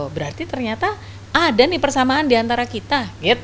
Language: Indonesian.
berarti ternyata ada nih persamaan di antara kita